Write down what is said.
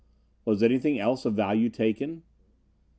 "Was anything else of value taken?"